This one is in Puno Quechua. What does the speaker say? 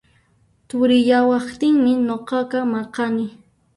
Turiyawaqtinmi nuqaqa maqani